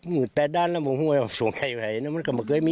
เมื่อกี้คือคนเรียกแบบนี้